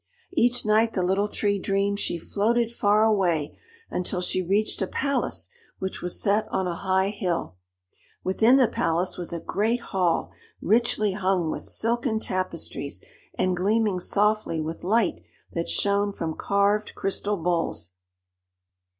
Each night the Little Tree dreamed she floated far away, until she reached a palace which was set on a high hill. Within the palace was a great hall richly hung with silken tapestries and gleaming softly with light that shone from carved crystal bowls.